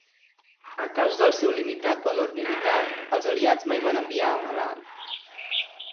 A causa del seu limitat valor militar els Aliats mai van envair Ameland.